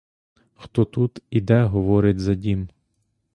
Хто тут і де говорить за дім?